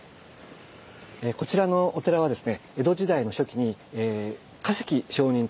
こちらのお寺はですね